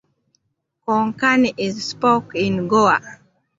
Konkani is spoke in Goa.